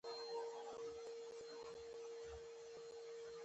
موږ د جنجال نیت او هوډ نه لرو.